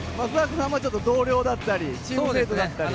ちょっと同僚だったりチームメートだったり。